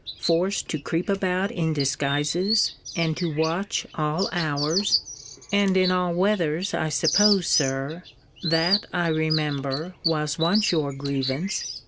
Forced to creep about in disguises and to watch all hours And in all weathers, I suppose, Sir That, I remember, was once your grievance!